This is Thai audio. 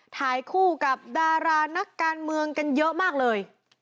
ถ่ายคู่กับดารานักการเมืองกันเยอะมากเลย